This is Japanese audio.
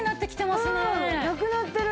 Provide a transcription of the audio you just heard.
なくなってる！